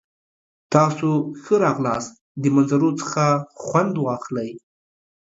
تاسو ښه راغلاست. د منظرو څخه خوند واخلئ!